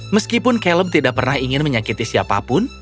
meskipun calem tidak pernah ingin menyakiti siapapun